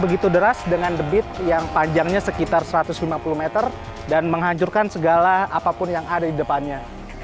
begitu deras dengan debit yang panjangnya sekitar satu ratus lima puluh meter dan menghancurkan segala apapun yang ada di depannya